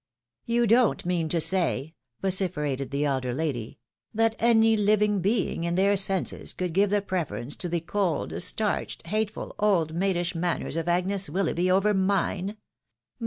" You don't mean to say," vociferated the elder lady, " that any Uving being in their senses could give the preference to the cold, starched, hateful; old maidish manners of Agnes Wil loughby over mine